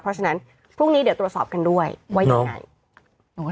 เพราะฉะนั้นพรุ่งนี้เดี๋ยวตรวจสอบกันด้วยว่ายังไง